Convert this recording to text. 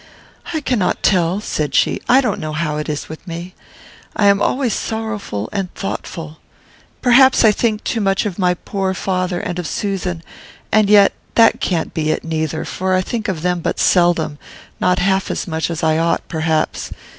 "I cannot tell," said she; "I don't know how it is with me. I am always sorrowful and thoughtful. Perhaps I think too much of my poor father and of Susan; and yet that can't be it, neither, for I think of them but seldom; not half as much as I ought, perhaps.